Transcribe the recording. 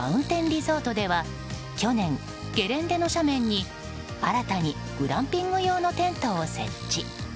リゾートでは去年、ゲレンデの斜面に新たにグランピング用のテントを設置。